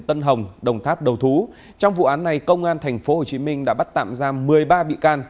tân hồng đồng tháp đầu thú trong vụ án này công an thành phố hồ chí minh đã bắt tạm giam một mươi ba bị can